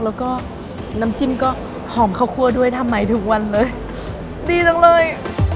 แล้วก็น้ำจิ้มก็หอมข้าวคั่วด้วยทำใหม่ทุกวันเลยดีจังเลย